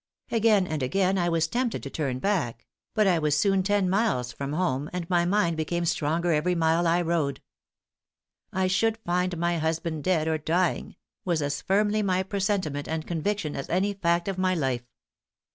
Again and again I was tempted to turn back; but I was soon ten miles from home, and my mind became stronger every mile I rode. I should find my husband dead or dying was as firmly my presentiment and conviction as any fact of my life.